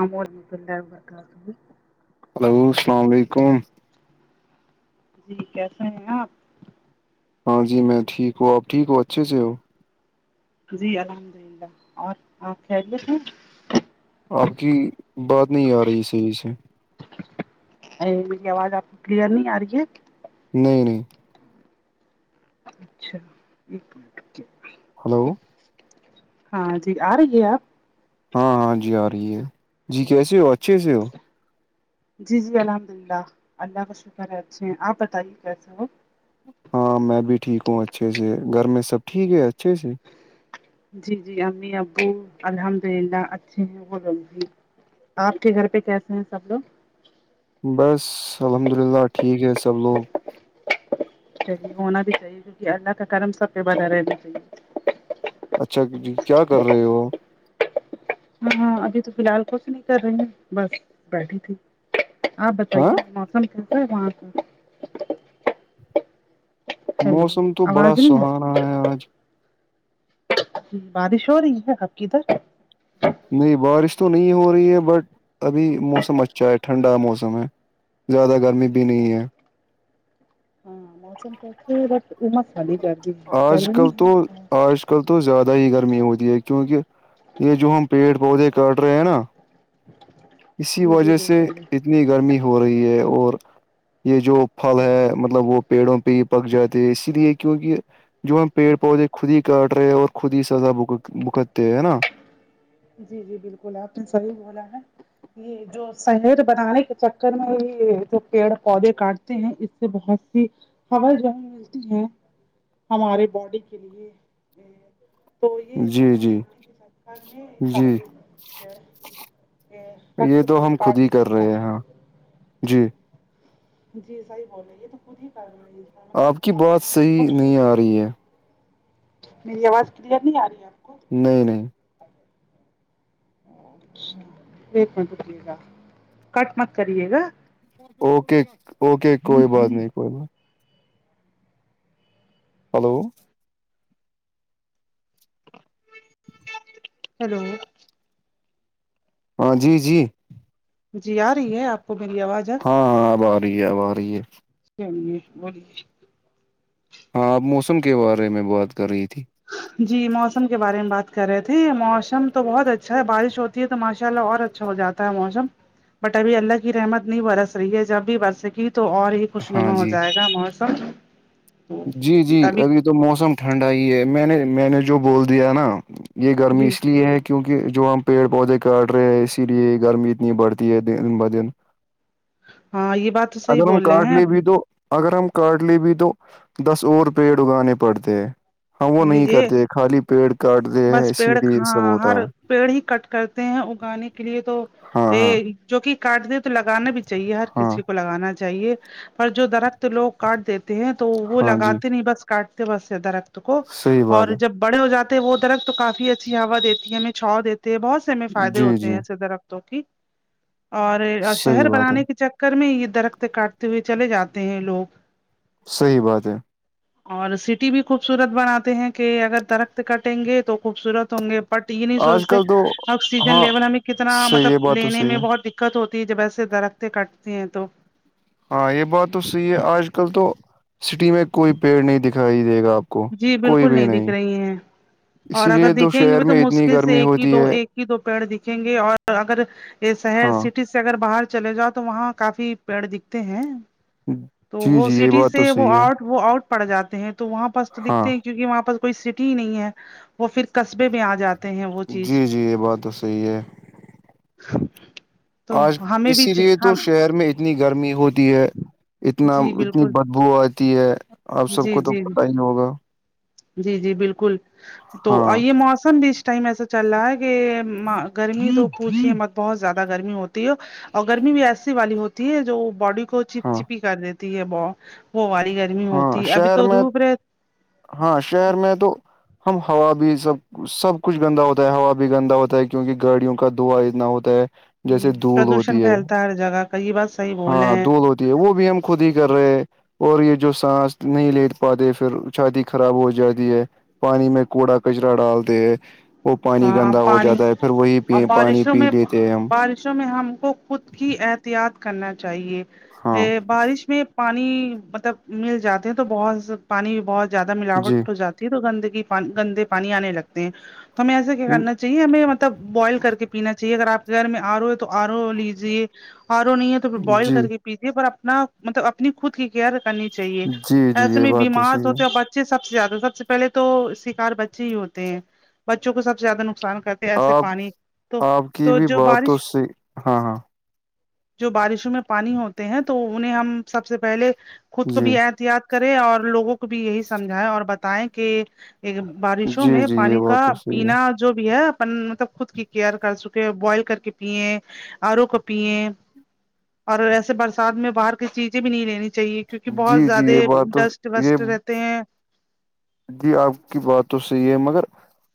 آم اور مپل برتا ہلو السلام علیکم جی کیسے ہیں آپ ہاں جی میں ٹھیک ہوں آپ ٹھیک ہو اچھے سے ہو جی الحمد للہ اور آپ خیریت ہیں آپ کی بات نہیں آ رہی صحیح سے ا میری آواز آپ کو کلیئر نہیں آ رہی ہے نہیں نہیں اچھا ایک منٹ کیا ہلو ہاں جی آ رہی ہے اب ہاں ہاں جی آ رہی ہے جی کیسے ہو اچھے سے ہو جی جی الحمد للہ اللہ کا شکر ہے اچھے ہیں آپ بتائیے کیسے ہو ہاں میں بھی ٹھیک ہوں اچھے سے گھر میں سب ٹھیک ہے اچھے سے جی جی امی ابو الحمد للہ اچھے ہیں وہ لوگ بھی آپ کے گھر پہ کیسے ہیں سب لوگ بس الحمد للہ ٹھیک ہے سب لوگ چلیے ہونا بھی چاہیے کیونکہ اللہ کا کرم سب پے بنا رہنا چاہیے اچھا امی جی کیا کر رہے وہ ہاں ہاں ابھی تو فی الحال کچھ نہیں کر رہی ہوں بس بیٹھی تھی آپ ہاں بتائیے موسم کیسا ہے وہاں پے ہیلو موسم تو بڑا آواز نہیں سہانا ہے آج بارش ہو رہی ہے آپ ک ادھر نہیں بارش تو نہیں ہو رہی ہے بٹ ابھی موسم اچھا ہے ٹھنڈا موسم ہے زیادہ گرمی بھی نہیں ہے ہاں موسم کیے بٹ وہ مثالی گرمی ہے آج کل گرمی تو ہے آج کل تو زیادہ ہی گرمی ہوتی ہے کیونکہ یہ جو ہم پیڑ پودے کاٹ رہے ہیں نا اسی جی جی وجہ سے بالکل جی اتنی گرمی ہو رہی ہے اور یہ جو پھل ہاں ہے مطلب مطلب وہ پیڑوں پہ ہی پک جاتے ہیں اسی لیے کیونکہ جو ہم پیڑ پودے خود ہی کاٹ رہے ہیں اور خود ہی سزا بھگت بھگتے ہیں نا جی جی بالکل آپ نے صحیح بولا ہے یہ جو سہر بنانے کے چکر میں ہی جو پیڑ پودے کاٹتے ہیں اس سے بہت سی ہوا جو ہمیں ملتی ہے ہمارے باڈی کے لیے تو یہ جی شہر جی بنانے کے چکر میں جی سارے پیڑ کہ یہ وقت تو پورے ہم خود کاٹ ہی کر دیے رہے جائے ہیں جی جی صحیح بول رہے یہ تو خود ہی کر رہی ہے مطلب آپ کی اب بات صحیح نہیں آ خوبصورت رہی ہے میری آواز کلیئر نہیں آرہی ہے آپ کو نہیں نہیں اچھا ایک منٹ رکئے گا کٹ مت کریے گا اوکے اوکے کوئی بات نہیں کوئی بات ہلو ہیلو ہاں جی جی جی آ رہی ہے آپ کو میری آواز اب ہاں ہاں اب آرہی ہے اب آرہی ہے چلیے بولیے ہاں آپ موسم کے بارے میں بات کر رہی تھی جی موسم کے بارے میں بات کر رہے تھے موسم تو بہت اچھا ہے بارش ہوتی ہے تو ماشاءاللہ اور اچھا ہو جاتا ہے موسم بٹ ابھی اللہ کی رحمت نہیں برس رہی ہے جب بھی برسے گی تو اور ہی ہاں خوشنما ہو جی جائے گا موسم تو جی جی ابھی تو موسم ٹھنڈا ہی ہے میں نے میں نے جو بول دیا نا یہ گرمی جی اس لیے ہے کہ کیونکہ جو ہم پیڑ پودے کاٹ رہے ہیں اسی لیے گرمی اتنی بڑھتی ہے دن بہ دن ہاں یہ بات تو صحیح اگر ہم بول کاٹ رہے ہیں لیں بھی تو اگر ہم کاٹ لیے بھی تو دس اور پیڑ اگانے پڑتے ہیں ہم وہ نہیں یہ کرتے خالی پیڑ کاٹتے ہیں بس اسی پیڑ لیے یہ سب ہاں ہوتا ہر ہے پیڑ ہی کٹ کرتے ہیں اگانے کے لیے تو ہاں ہاں ایہہ جو کہ کاٹ دیں تو لگانا بھی چاہیے ہر ہاں کسی کو لگانا چاہیے پر جو درخت تو لوگ کاٹ دیتے ہیں تو وہ ہاں جی لگاتے نہیں بس کاٹتے بس ہیں درخت کو صحیح بات اور ہے جب بڑے ہو جاتے ہیں وہ درخت تو کافی اچھی ہوا دیتی ہے ہمیں چھاؤں دیتے ہیں بہت سے ہمیں فائدے جی ہوتے ہیں جی ایسے درخت تو ٹھیک اور صحیح شہر بات ہے بنانے کی چ گھر میں ہی یہ درخت کاٹتے ہوئے چلے جاتے ہیں یہ لوگ صحیح بات ہے اور سٹی بھی خوب خوبصورت بناتے ہیں کہ اگر درخت کٹیں گے تو خوبصورت ہوں گے بٹ یہ نہیں آج سوچتے کل تو آکسیجن ہاں لیول ہمیں کتنا صحیح ہے مطلب بات تو لینے صحیح میں ہے بہت دقت ہوتی ہے جب ایسے درختیں کٹتی ہیں تو ہاں یہ بات تو صحیح ہے آج کل تو سٹی میں کوئی پیڑ نہیں دکھائی دے گا آپ کو جی کوئی بالکل بھی نہیں دکھ رہی ہیں اور اسی اگر لیے دکھیں گے شہر بھی تو میں اتنی مشکل سے گرمی ایک ہی ہوتی دو ہے ایک ہی دو پیڑ دکھیں گے اور اگر یہ شہر ہاں سٹی سے اگر باہر چلے جاؤ تو وہاں کافی پیڑ دکھتے ہیں تو جی وہ جی یہ سٹی بات تو سے وہ صحیح ہے آؤٹ وہ آؤٹ پڑ جاتے ہیں تو وہاں پاس تو ہاں دکھتے ہیں کیونکہ وہاں پاس کوئی سٹی ہی نہیں ہے وہ پھر قصبے میں آ جاتے ہیں وہ چیز جی جی یہ بات تو صحیح ہے تو آج ہمیں بھی اسی لیے تو ہم شہر میں اتنی گرمی ہوتی ہے اتنا جی اتنی بالکل بدبو آتی ہے آپ سب جی کو تو جی پتا ہی ہوگا جی جی بالکل تو ہاں آئیے موسم بھی ٹائم ایسا چل رہا ہے کہ ما گرمی تو پوچھے مت بہت زیادہ گرمی ہوتی ہے اور گرمی بھی ایسی والی ہوتی ہے جو باڈی کو چپ ہاں چپی کر دیتی ہے بو وہ والے گرمی ہاں ہوتی ابھی شہر تو میں دھوپ رہ ہاں شہر میں تو ہم ہوا بھی سب سب کچھ گندا ہوتا ہے ہوا بھی گندا ہوتا ہے کیوکہ گاڑیوں کا دھوا اتنا ہوتا ہے جیسے دھول ہوتی ہے ہرجگہ کئی بس ہاں دول ہوتی ہے وہ بھی ہم خود ہی کر رہے اور یہ جو سانس نہیں لٹ پاتے پھر چھاتی خراب ہو جاتی ہے پانی میں کوڑا کچرا ڈالتے ہیں وہ پانی ہاں گندا ہو پانی جاتا ہے پھر وہیی اور پ پانی بارشوں پی میں لیتے ہیں ہم بارشوں میں ہم کو خود کی احتیاط کرنا چاہیے ہاں بارش میں پانی مطلب مل جاتے ہیں تو بہت پانی بہت زیادہ جی ملاوٹ ہو جاتی تو گندگی پن گندے پانی انے لگتے ہیں تو ہمیں ایسا کیا کرنا جی ہمیں مطلب بوائل کر کے پینا چاہیے اگر اپ کے گھر میں ارو ہے تو ارو لیجیے ہرو نہیں ہے تو پھر بوائل جی کر کے پیجیے پر اپنا مطلب اپنی خود کی کیئر کرنی چاہیے جی جی ایسے یہ میں بات تو بیمار صحیح ہے سوچو بچ ے سب سے زیادہ سب سے پہلے تو شکار بچے ہی ہوتے ہیں بچوں کو سب سے زیادہ نقصان کر ایسے آپ پانی تو آپ کی تو بھی جو بات تو بارش صحیح ہاں ہاں جو بارشوں میں پانی ہوتے ہیں تو انہیں ہم سب سے پہلے خود کو جی بھی احتیاط کرے اور لوگوں کو بھی یہی سمجھائے اور بتائیں کہ بارشوں جی میں جی یہ پانی کا بات تو صحیح ہے ہاں جو بھی ہے اپن مطلب خود کی کیئر کر چکے بوائل کر کے پیے ارو کو پیے اور ایسے برسات میں باہر کی چیزیں بھی نہیں لین چاہیے کیونکہ بہت جی جی زیادہ یہ بات تو ڈسٹ یہ وسٹ رہتے ہیں جی اپ کی بات تو صحیح ہے مگر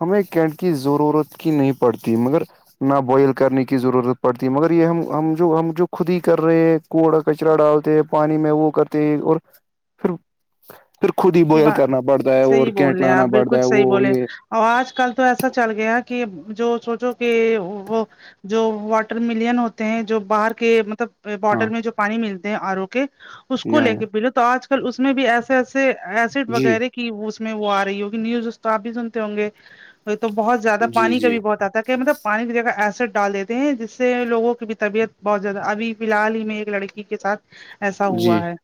ہمیں کیٹ کی ضرورت کی نہیں پڑتی مگر نہ بوائل کرنے کی ضرورت پڑتی ہے مگر یہ ہم ہم جو ہم جو خود ہی کر رہے ہیں کوڑا کچرا ڈالتے پانی میں وہ کرتے اور پھر پھر خود ہی بوائل یہ کرنا پڑتا ہے اور صحیح بول کیٹ رہے ہیں آپ لانا پڑتا بالکل ہے صحیح وہ بولے یہ اور اج کل تو ایسا چل گیا کہ جو سوچو کہ وہ جو واٹرملن ہوتے ہیں جو باہر کے مطلب ہاں بوٹل میں جو پانی ملتے ہیں ارو کے اس کو لے یہ کے پلو تو اج کل اس میں بھی ایسے ایسے ایسڈ جی وغیرہ کی اس میں وہ ا رہی ہوگی نیوزز تو آپ بھی سنتے ہوں گے تو بہت زیادہ جی پانی کا جی بھی بہت اتا ہے کہ مطلب پانی کی جگہ ایسڈ ڈال دیتے ہیں جس سے لوگوں کی بھی طبیعت بہت زیادہ ابھی حال ہی میں ایک لڑکی کے ساتھ ایسا جی ہوا ہے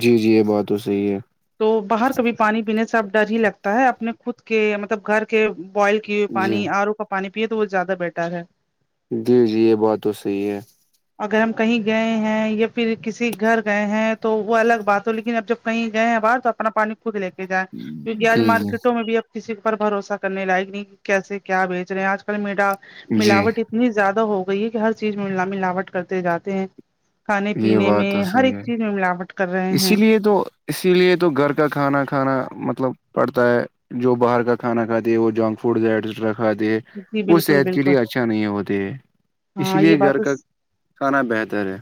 جی جی یہ بات تو صحیح ہے تو باہر کبھی پانی پینے سے اب ڈر ہی لگتا ہے اپنے خود کے مطلب گھر کے بوائل کہ جی پانی ارو کا پانی پیے تو وہ زیادہ بیٹر ہے جی جی یہ بات تو صحیح ہے اگر ہم کہیں گئے ہیں یا پھر کسی گھر گئے ہیں تو وہ الگ بات ہو لیکن اب جب کہیں گئے باہر تو اپنا پانی خود لے کے جائیں کیونکہ اج جی جی مارکیٹوں میں بھی کسی پر بھروسہ کرنے لائق نہیں کیسے کیا بیچ رہے ہیں اج کل میا ملاوٹی جی اتنی زیادہ ہو گئی ہے کہ ہر چیز میں ملاوٹ کرتے جاتے ہیں کھانے یہ پینے بات میں تو ہر صحیح ایک ہے چیز میں ملاوٹ کر رہے اسی ہیں لیے تو اسی لیے تو گھر کا کھانا کھانا مطلب پڑتا ہے جو باہر کا کھانا کھاتا ہے وہ جنک فوڈ ایسٹرا کھاتی ہے جی وہ بالکل صحت کے بالکل لیے اچھا نہیں ہوتے ہے اسی ہاں یہ لیے بات گھر کا تو کھانا بہتر ہے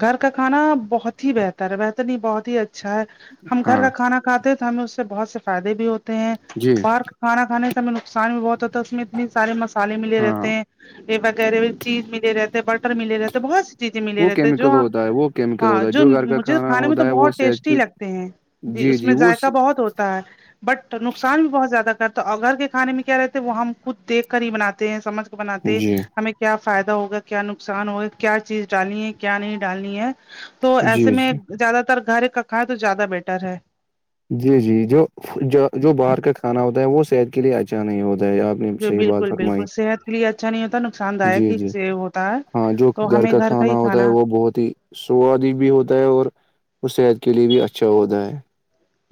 گھر کا کھانا بہت ہی بہتر ہے بہتر نہیں بہت ہی اچھا ہے ہم گھر کا ہاں کھانا کھاتے ہیں تو ہمیں اس سے بہت سے فائدے بھی ہوتے ہیں جی باہر کا کھانا کھانے سے ہمیں نقصان بھی بہت ہوت تو اس میں اتنے سارے سے مس لے ملے ہاں رہتے ہیں وغیرہ چیز ملے رہتے ہے بٹر ملے رہتے ہے بہت س چیزیں ملے وہ رہتے ہیں جو کیمیکل ہوتا ہے وہ کیمیکل ہاں ہوتا ہے جو گھر کا مجھے کھانا کھانے میں تو ہوتا ہے وہ بہت صحت ٹیسٹی کی لگتے ہیں جی اس میں ذائقہ بہت ہوتا ہے بٹ نقصان بھی بہت زیادہ کرتا ہے اور گھر کے کھانے میں کیا رہتا وہ ہم خود دیکھ کر ہی بناتے ہیں سمجھ کر بناتے ہیں جی ہمیں کیا فائدہ ہوگا کیا نقصان ہوگا کیا چیز ڈالنی ہے کیا نہیں ڈالنی ہے تو جی ایسے میں زیادہ تر گھر کا کھائے تو زیادہ بیٹر ہے جی جی جو جو باہر کا کھانا ہوتا ہے وہ صحت کے لیے اچھا نہیں ہوتا ہے آپ نے جو صحیح بات بالکل فرمائی بالکل صحت کے لیے اچھا نہیں ہوتا نقصان دایک جی ہی جی سے ہوتا ہے ہاں جو گھر کا کھانا ہوتا ہے وہ بہت ہی سواد ہی بھی ہوتا ہے اور وہ صحت کے لیے بھی اچھا ہوتا ہے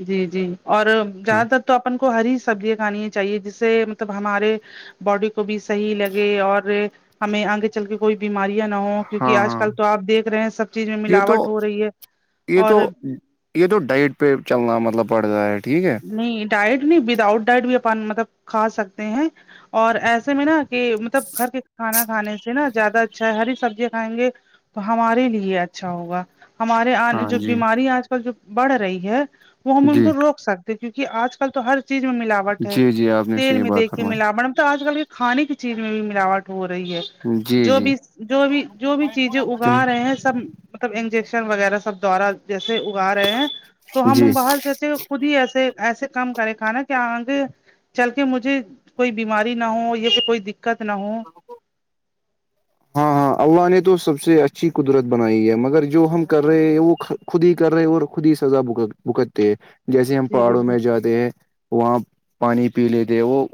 جی جی اور ہاں زیادہ تر تو اپن کو ہری سبزیاں کھانی چاہیے جس سے مطلب ہمارے باڈی کو بھی صحیح لگے اور ہمیں انگ چل کے کوئی بیماریاں نہ ہوں ہاں کیونکہ آج ہاں کل تو آ دیکھ رہے ہیں سب چیز میں یہ تو ملاوٹ ہو رہی ہے یہ اور تو یہ تو ڈائٹ پہ چلنا مطلب پڑ رہا ہے ٹھیک ہے نہیں ڈائٹ نہیں وتھ اوٹ ڈائٹ بھی اپن مطلب کھا سکتے ہیں اور ایسے میں نا کہ مطلب گھر کے کھانا کھانے سے نا زیادہ اچھا ہے ہری سبزیاں کھائیں گے تو ہمارے لیے اچھا ہوگا ہمارے آنے ہاں جو جی بیماری آج کل جو بڑھ رہی ہے وہ ہم ان جی کو روک سکتے کیونکہ آج کل تو ہر چیز میں ملاوٹ ہے جی جی آپ نے تیل صحیح میں بات دیھکیئے فرمائی ملاوٹ ملم تو آج کل کھانے کی چیز میں بھی ملاوٹ ہو رہی ہے جی جو جی بھی جو بھی جو بھی چیزیں اگا رہے ہیں سب مطلب انجیکشن وغیرہ سب دوارا جیسے اگا رہے ہیں تو جی ہم باھر سے چہ خود ہی ایسے ایسے کم کرے کھانا کیا آ گے چل کے مجھے کوئی بیماری نہ ہو یا کوئی دقت نہ ہو ہاں ہاں اللہ نے تو سب سے اچھی قدرت بنائی ہے مگر جو ہم کر رہے ہیں وہ خود ہی کر رہے اور خود ہی سزا بک بھگتتے ہے جیسے ہم جی پہاڑوں بالکل میں جاتے ہیں وہاں پانی پی لیکے وہ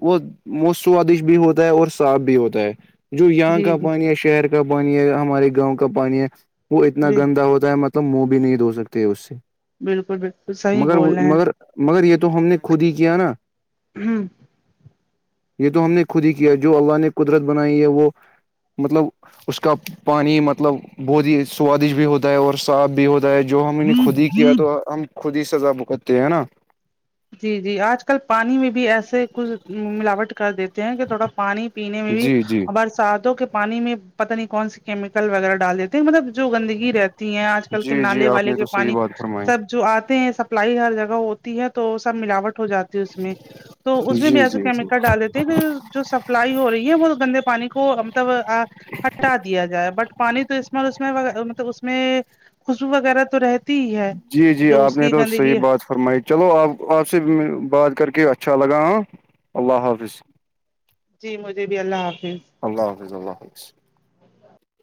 وہ سوادش بھی ہوتا ہے اور صاف بھی ہوتا ہے جو یہاں جی کا جی پانی ہے شہر کا پانی ہے ہمارے گاؤں کا پانی ہے وہ اتنا جی گندا ہوتا ہے م تم منہ بھی نہیں دھو سکتے اس سے بالکل بالکل سہ مگر وہ مگر مگر یہ تو ہم نے خود ہی کیا نا ہوں یہ تو ہم نے خود ہی کیا ہے جو اللہ نے قدرت بنائی ہے وہ مطلب اس کا پانی مطلب بہت ہی سوادش بھی ہوتا ہے اور صاف بھی ہوتا جو ہم ان نے خود ہی کیا ہیں تو ہم خود ہی سزا بھگتے ہیں نا جی جی آج کل پانی میں بھی ایسے کچھ ملاوٹ کر دیتے ہیں کہ تھوڑا پانی پینے میں بھی جی جی برساتوں کے پانی میں پتا نہیں کون سی کیمیکل وغیرہ ڈال دیتے ہیں مطلب جو گندگی رہتی تی ہیں آج کل کے جی جی نالے آپ والے نے کے تو صحیح پانی بات فرمائی سب جو آتے ہیں سپلائی ہر جگہ ہوتی ہے تو سب ملاوٹ ہو جاتی ہے اس میں تو اس جی میں بھی ایسے جی جی کیمیکل ڈال دیتے ہیں کہ جو سپلائی ہو رہی ہے وہ گندے پانی کو مطلب آ ہٹا دیا جائے بٹ پانی تو اس میں اس میں مطلب اس میں خوشبو وغیرہ تو رہتی ہی ہے جی جی جو آپ اس نے کی تو صحیح گندگی ہے بات فرمائی چلو آپ آپ سے بات کر کے اچھا لگا ہاں اللہ حافظ جی مجھے بھی اللہ حافظ اللہ حافظ اللہ حافظ